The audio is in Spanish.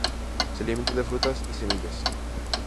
Se alimenta de frutas y semillas.